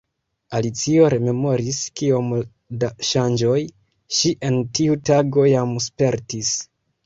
Alicio rememoris kiom da ŝanĝoj ŝi en tiu tago jam spertis.